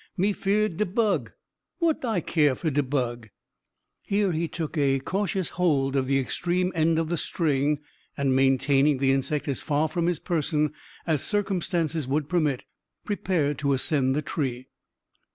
Me feered de bug! what I keer for de bug?" Here he took cautiously hold of the extreme end of the string, and, maintaining the insect as far from his person as circumstances would permit, prepared to ascend the tree.